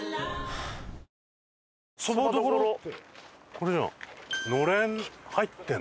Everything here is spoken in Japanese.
これじゃん。